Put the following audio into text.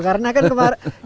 karena kan kemarin